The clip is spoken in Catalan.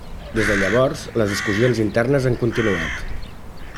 Des de llavors, les discussions internes han continuat.